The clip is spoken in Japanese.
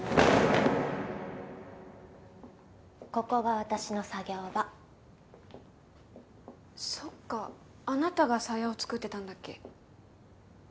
ここが私の作業場そっかあなたが鞘を作ってたんだっけ